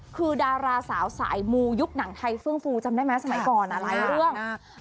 คือดาราสาวสายมูยุคหนังไทยเฟื่องฟูจำได้ไหมสมัยก่อนหลายเรื่อง